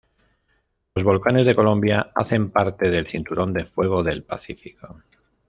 Los volcanes de Colombia hacen parte del Cinturón de Fuego del Pacífico.